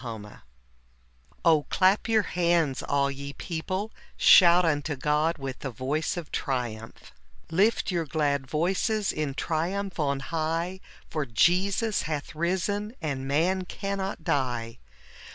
ioo © clap gout Ijantfg, all ge people : gfjout unto ©oti foitfj tfje botce of triumph" Lift your glad voices in triumph on high, For Jesus hath risen, and man cannot die.